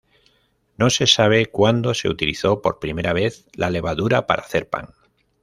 No se sabe cuando se utilizó por primera vez la levadura para hacer pan.